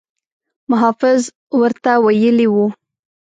محافظ ورته ویلي وو.